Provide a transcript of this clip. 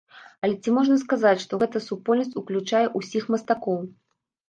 Але ці можна сказаць, што гэта супольнасць уключае ўсіх мастакоў?